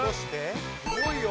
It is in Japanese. すごいよ！